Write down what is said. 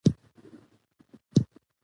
منی د افغانانو د ژوند طرز اغېزمنوي.